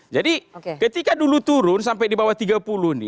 jadi ketika dulu turun sampai di bawah tiga puluh